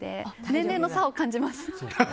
年齢の差を感じます。